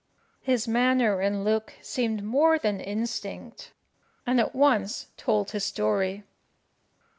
His manner and look seemed more than instinct, and at once told his story.